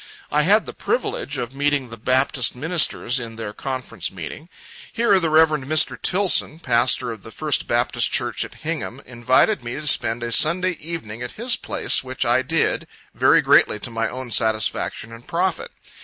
I had the privilege of meeting the Baptist ministers in their conference meeting. Here the Rev. Mr. Tilson, pastor of the First Baptist Church at Hingham, invited me to spend a Sunday evening at his place, which I did, very greatly to my own satisfaction and profit.